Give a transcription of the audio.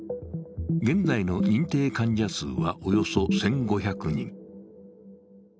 現在の認定患者数はおよそ１５００人。